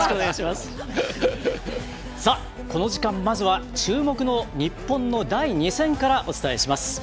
この時間、まずは注目の日本の第２戦からお伝えします。